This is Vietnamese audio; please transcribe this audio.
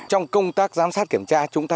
trong công tác giám sát kiểm tra chúng ta